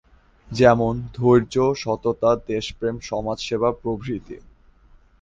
যেমন-ধৈর্য, সততা, দেশপ্রেম, সমাজসেবা প্রভৃতি।